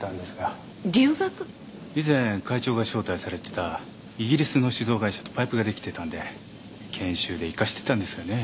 以前会長が招待されてたイギリスの酒造会社とパイプができてたんで研修で行かせてたんですがね。